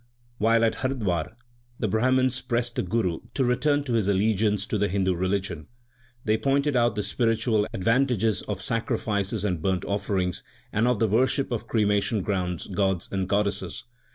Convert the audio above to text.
2 While at Hardwar the Brahmans pressed the Guru to return to his allegiance to the Hindu religion. They pointed out the spiritual advantages of sacri fices and burnt offerings, and of the worship of cremation grounds, gods, and goddesses.